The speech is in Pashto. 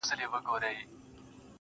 جنگ دی سوله نه اكثر.